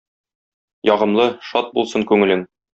Ягымлы, шат булсын күңелең.